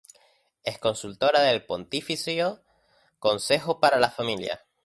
Es consultora del Pontificio Consejo para la Familia.